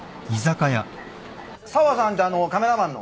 沢さんてあのカメラマンの？